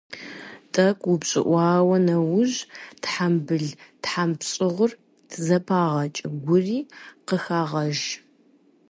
ТӀэкӀу упщӀыӀуа нэужь тхьэмбыл-тхьэмщӀыгъур зэпагъэкӀ, гури къыхагъэж.